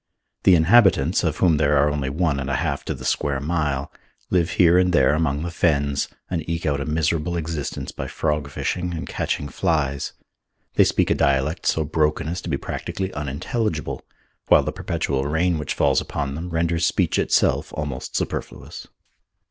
The inhabitants, of whom there are only one and a half to the square mile, live here and there among the fens and eke out a miserable existence by frog fishing and catching flies. They speak a dialect so broken as to be practically unintelligible, while the perpetual rain which falls upon them renders speech itself almost superfluous.